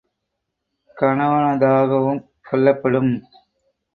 கணவனதாகவும் கொள்ளப்படும்.